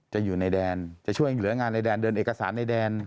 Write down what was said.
จะอยู่ในแดนจะช่วยเหลืองานในแดนเดินเอกสารในแดน